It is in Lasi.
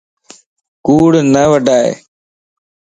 ڪوڙ نه وڊائي